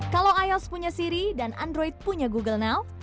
kalau ios punya siri dan android punya google now